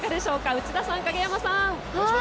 内田さん、影山さん。